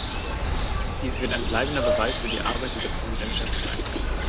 Das wird ein bleibender Beweis für die Arbeit dieser Präsidentschaft sein.